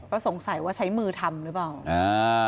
ก็สงสัยว่าใช้มือทำหรือเปล่า